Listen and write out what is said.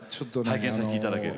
拝見させていただける。